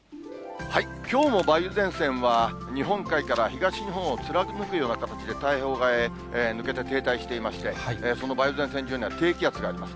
きょうも梅雨前線は、日本海から東日本を貫くような形で太平洋側へ抜けて停滞していまして、その梅雨前線上には低気圧があります。